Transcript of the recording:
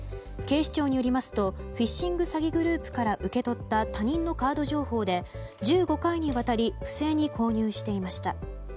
警視庁によりますとフィッシング詐欺グループから受け取った他人のカード情報で１５回にわたり不正に購入していました。